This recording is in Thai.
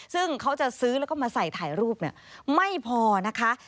ซึ่งเขาจะซื้อแล้วก็มาใส่ถ่ายรูปเนี่ยไม่พอนะคะ